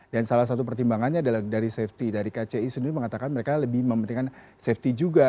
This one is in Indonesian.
dan salah satu pertimbangannya adalah dari safety dari kci sendiri mengatakan mereka lebih mementingkan safety juga